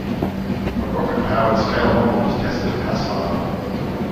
A rocket-powered scale model was tested at Haslar.